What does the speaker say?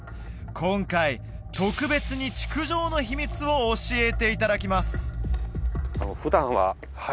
今回特別に築城の秘密を教えていただきます！